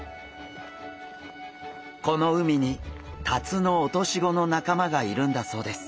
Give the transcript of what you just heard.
この海にタツノオトシゴの仲間がいるんだそうです。